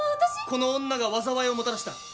この女が災いをもたらした。